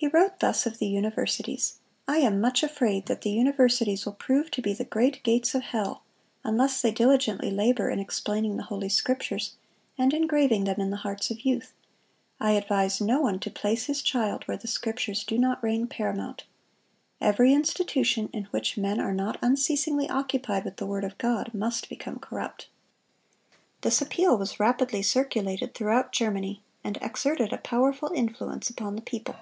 (189) He wrote thus of the universities: "I am much afraid that the universities will prove to be the great gates of hell, unless they diligently labor in explaining the Holy Scriptures, and engraving them in the hearts of youth. I advise no one to place his child where the Scriptures do not reign paramount. Every institution in which men are not unceasingly occupied with the word of God must become corrupt."(190) This appeal was rapidly circulated throughout Germany, and exerted a powerful influence upon the people.